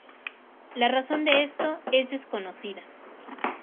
La razón de esto es desconocida.